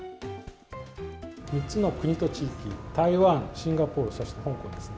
３つの国と地域、台湾、シンガポール、そして香港ですね。